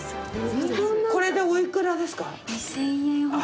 これでおいくらですか？